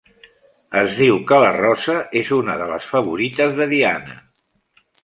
Es diu que la rosa és una de les favorites de Diana.